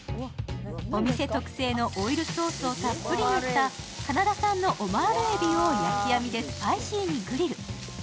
お店特製のオイルソースをたっぷり塗ったカナダ産のオマールえびを焼き網でスパイシーにグリル。